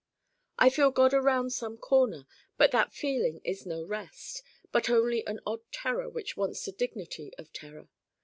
I feel God around some corner but that feeling is no rest, but only an odd terror which wants the dignity of terror.